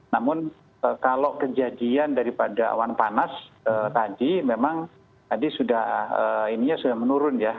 namun kalau kejadian daripada awan panas tadi memang tadi sudah ininya sudah menurun ya